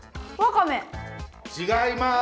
違います。